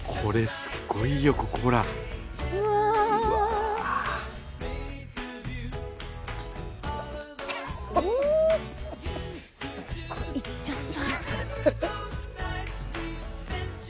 すっご行っちゃった。